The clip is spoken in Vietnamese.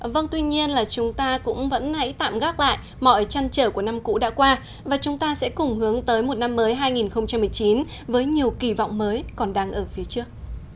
vâng tuy nhiên là chúng ta cũng vẫn hãy tạm gác lại mọi trăn trở của năm cũ đã qua và chúng ta sẽ cùng hướng tới một năm mới hai nghìn một mươi chín với nhiều kỳ vọng mới còn đang ở phía trước